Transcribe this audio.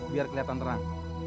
biar kelihatan terang